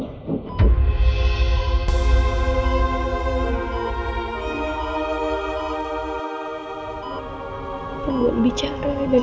gangguan bicara dan